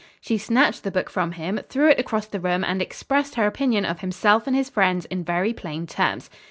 She snatched the book from him, threw it across the room and expressed her opinion of himself and his friends in very plain terms.